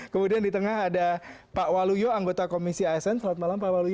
kemudian di tengah ada pak waluyo anggota komisi asn selamat malam pak waluyo